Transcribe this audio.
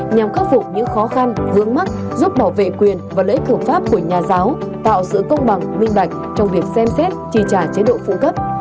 nhằm khắc phục những khó khăn vướng mắt giúp bảo vệ quyền và lễ cưỡng pháp của nhà giáo tạo sự công bằng nguyên bạch trong việc xem xét trì trả chế độ phụ cấp